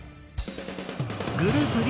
グループＤ